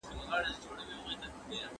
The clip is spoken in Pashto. تاسي کله د نړۍ په اړه فکر کړی دی؟